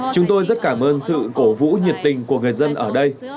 chúng tôi rất cảm ơn sự cổ vũ nhiệt tình của người dân ở đây